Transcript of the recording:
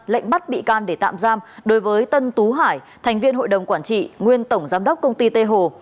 lệnh bắt bị can để tạm giam đối với tân tú hải thành viên hội đồng quản trị nguyên tổng giám đốc công ty tây hồ